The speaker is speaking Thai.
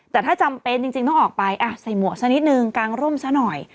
แต่ถ้าจำเป็นจริงต้องออกไปใส่หมวกซะนิดนึงกางร่มซะหน่อย